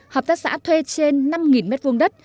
hợp tác xã thuê trên năm m hai đất